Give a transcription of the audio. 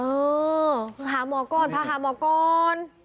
เออพาหาหมอกรพาหาหมอกร